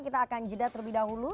kita akan jeda terlebih dahulu